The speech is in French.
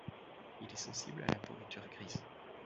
Il est sensible à la pourriture grise.